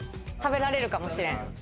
食べられるかもしれん。